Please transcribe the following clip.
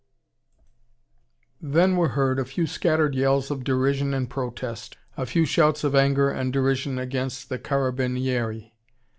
Then were heard a few scattered yells of derision and protest, a few shouts of anger and derision against the carabinieri.